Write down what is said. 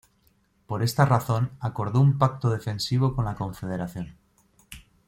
Por esta razón acordó un pacto defensivo con la Confederación.